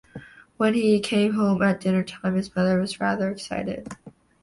When he came home at dinner-time his mother was rather excited.